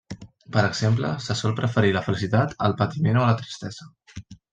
Per exemple, se sol preferir la felicitat al patiment o a la tristesa.